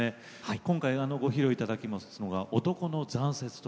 今回ご披露いただくのは「男の残雪」